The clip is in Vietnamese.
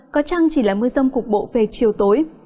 có chăng chỉ là mưa rông cục bộ về chiều tối